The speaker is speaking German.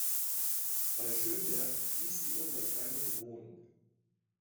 Bei Schönberg fließt die obere Kleine Dhron.